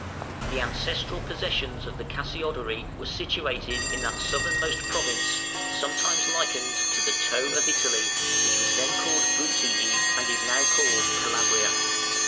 The ancestral possessions of the Cassiodori were situated m that southernmost province, sometimes likened to the toe of Italy, which was then called Bruttii, and is now called Calabria.